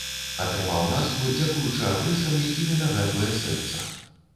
Атрымаў назву дзякуючы абрысам, якімі нагадвае сэрца.